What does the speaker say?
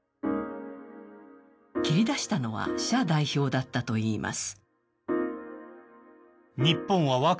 切り出したのは謝代表だったといいます。